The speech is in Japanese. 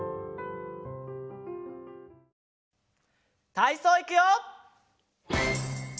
たいそういくよ！